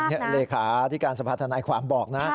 นี่เลขาที่การสภาธนายความบอกนะ